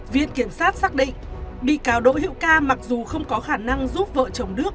viện kiểm sát xác định bị cáo đỗ hữu ca mặc dù không có khả năng giúp vợ chồng đức